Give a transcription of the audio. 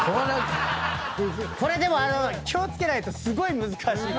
これでも気を付けないとすごい難しいとこ。